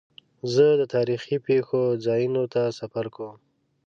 زه د تاریخي پېښو ځایونو ته سفر کوم.